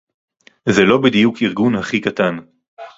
זה לא בדיוק ארגון הכי קטן